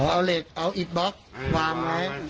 เอาเหล็กเอาอิดบล็อกวางไว้